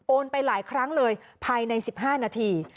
ไปหลายครั้งเลยภายใน๑๕นาที